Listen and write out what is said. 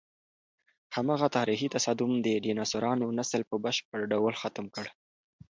هماغه تاریخي تصادم د ډیناسورانو نسل په بشپړ ډول ختم کړ.